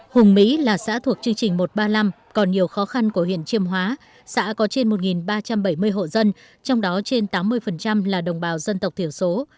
hùng mỹ là xã thuộc chương trình một trăm ba mươi năm còn nhiều khó khăn của huyện chiêm hóa xã có trên một ba trăm bảy mươi hộ dân trong đó trên tám mươi là đồng bào dân tộc thiểu số